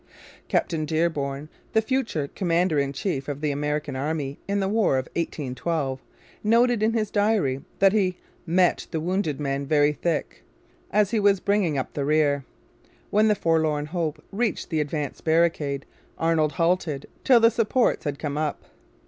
Captain Dearborn, the future commander in chief of the American army in the War of 1812, noted in his diary that he 'met the wounded men very thick' as he was bringing up the rear. When the forlorn hope reached the advanced barricade Arnold halted it till the supports had come up.